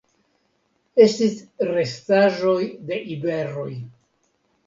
Estis restaĵoj de iberoj.